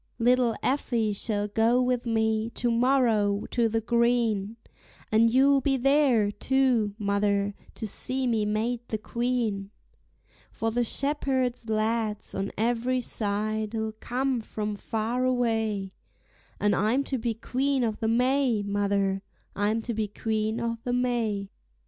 Little Effie shall go with me to morrow to the green, And you'll be there, too, mother, to see me made the Queen; For the shepherd lads on every side'll come from far away; And I'm to be Queen o'the May, mother, I'm to be Queen o'the May.